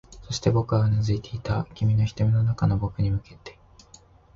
そして、僕はうなずいていた、君の瞳の中の僕に向けて